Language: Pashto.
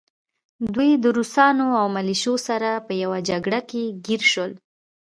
دوی د روسانو او ملیشو سره په يوه جګړه کې ګیر شول